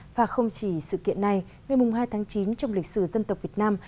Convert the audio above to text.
và không chỉ sự kiện này ngày hai tháng chín trong lịch sử dân tộc việt nam